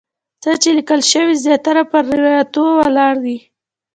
څه چې لیکل شوي زیاتره پر روایاتو ولاړ دي.